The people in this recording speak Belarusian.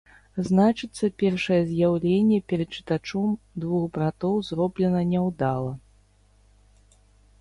Значыцца, першае з'яўленне перад чытачом двух братоў зроблена няўдала.